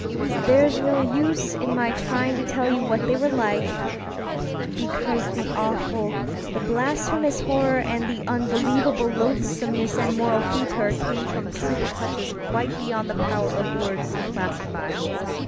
There's no use in my trying to tell you what they were like, because the awful, the blasphemous horror, and the unbelievable loathsomeness and moral fetor came from simple touches quite beyond the power of words to classify.